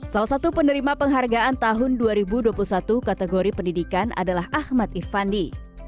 salah satu penerima penghargaan tahun dua ribu dua puluh satu kategori pendidikan adalah ahmad irfandi